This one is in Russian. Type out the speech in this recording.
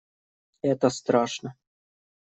Это страшно.